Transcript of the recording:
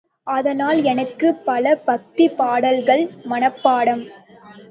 அதனால் எனக்குப் பல பக்திப் பாடல்கள் மனப்பாடம்.